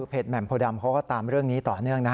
เพจแม่มโพดัมเค้าก็ตามเรื่องนี้ต่อเนื่อง